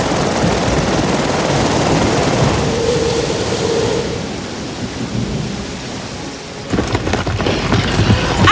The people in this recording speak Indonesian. ini adalah hari yang paling menyenangkan